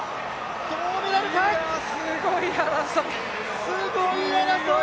銅メダルか、すごい争い。